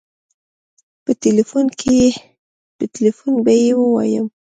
په ټيليفون کې به يې ووايم.